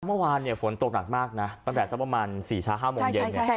เมื่อวานฝนตกหนักมากนะตั้งแต่สักประมาณ๔๕โมงเย็น